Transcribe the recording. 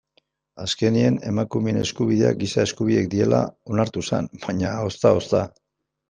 Azkenean emakumeen eskubideak giza eskubideak direla onartu zen, baina ozta-ozta.